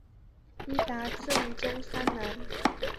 伊达政宗三男。